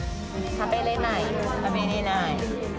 「食べれない」。